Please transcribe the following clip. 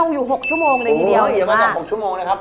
ขออนุญาตชิมนะคะ